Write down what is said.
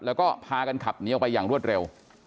แล้วก็พากันขับหนีออกไปอย่างรวดเร็ว